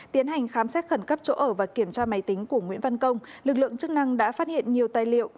tiến hành khám xét khẩn cấp chỗ ở và kiểm tra máy tính của nguyễn văn công lực lượng chức năng đã phát hiện nhiều tài liệu